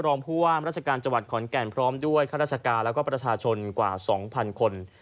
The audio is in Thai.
รองผู้ว่ามราชการจังหวัดขอนแก่นพร้อมด้วยข้าราชการแล้วก็ประชาชนกว่า๒๐๐คน